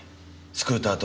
スクーター